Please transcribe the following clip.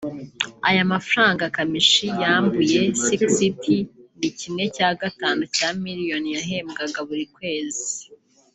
Aya mafaranga Kamichi yambuye Sick City ni kimwe cya gatanu cya miliyoni yahembwaga buri kwezi